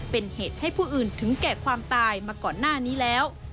เป็นเหตุให้ผู้อื่นถึงแก่ความตายมาก่อนหน้านี้แล้ว